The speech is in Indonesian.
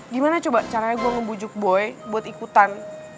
gimana coba caranya gue ngebujuk boy buat ikutan